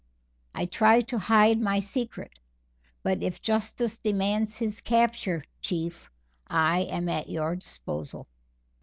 I tried to hide my secret, but if Justice demands his capture, Chief, I am at your disposal."